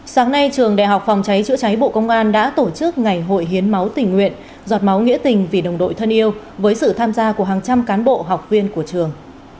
sáng nay trường đại học phòng cháy chữa cháy bộ công an đã tổ chức ngày hội hiến máu tình nguyện giọt máu nghĩa tình vì đồng đội thân yêu với sự tham gia của hàng trăm cán bộ học viên của trường